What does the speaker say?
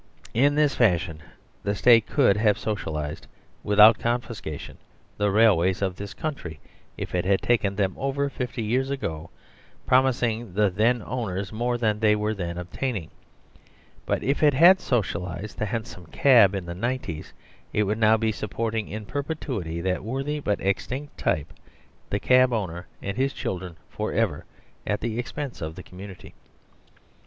In this fashion the State could have "socialised " without confiscation the railways of this country if it had taken them over fifty years ago, promising the then owners more than they were then obtaining. But if it had socialised the han som cab in the nineties, it would now be supporting in per petuity that worthy but extinct type the cab owner (and his children for ever) at the expense of the community.